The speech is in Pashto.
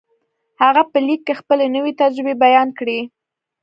هغه په ليک کې خپلې نوې تجربې بيان کړې.